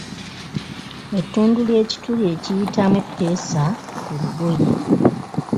Ettundu ky’ekituli ekiyitamu eppeesa ku lugoye.